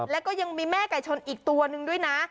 แล้วก็ยังมีแม่ไก่ชนอีกตัวนึงด้วยนะ